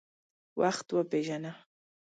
وخت وپیژنه.